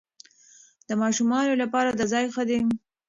د ماشومانو لپاره دا ځای ښه دی.